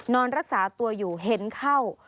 นอนรักษาตัวอยู่เห็นเข้า